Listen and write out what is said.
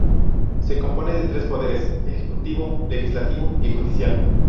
Se compone de tres poderes: Ejecutivo, Legislativo y Judicial.